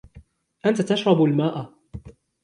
أنت تشرب الماء